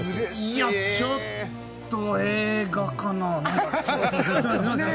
いや、ちょっと映画かな。